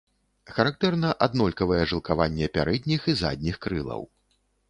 Характэрна аднолькавае жылкаванне пярэдніх і задніх крылаў.